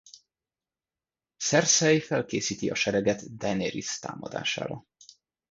Cersei felkészíti a sereget Daenerys támadására.